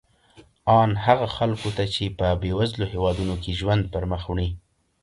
ان هغو خلکو ته چې په بېوزلو هېوادونو کې ژوند پرمخ وړي.